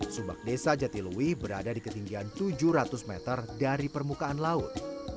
subak desa jatiluwih berada di ketinggian tujuh ratus meter dari permukaan laut